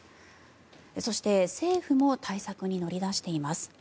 そして、政府も対策に乗り出しています。